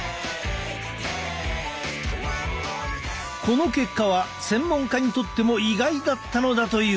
この結果は専門家にとっても意外だったのだという。